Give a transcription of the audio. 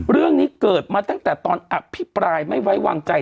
เรื่องนี้เกิดมาตั้งแต่ตอนอภิปรายไม่ไว้วางใจ